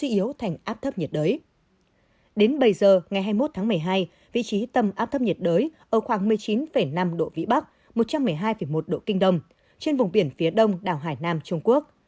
đến bảy giờ ngày hai mươi một tháng một mươi hai vị trí tâm áp thấp nhiệt đới ở khoảng một mươi chín năm độ vĩ bắc một trăm một mươi hai một độ kinh đông trên vùng biển phía đông đảo hải nam trung quốc